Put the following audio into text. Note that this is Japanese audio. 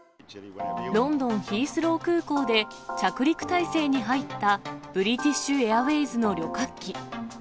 ロンドン・ヒースロー空港で、着陸態勢に入ったブリティッシュエアウェイズの旅客機。